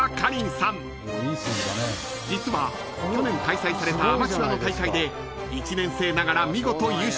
［実は去年開催されたアマチュアの大会で１年生ながら見事優勝］